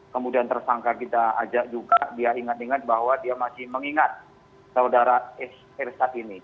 kemudian tersangka kita ajak juga dia ingat ingat bahwa dia masih mengingat saudara saksi ini